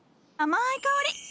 甘い香り。